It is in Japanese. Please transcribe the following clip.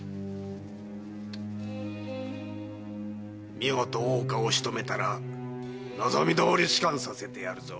見事大岡をしとめたら望みどおり仕官させてやるぞ。